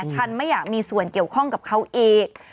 ฉันไม่อยากมีส่วนเกี่ยวข้องกับเขาอีก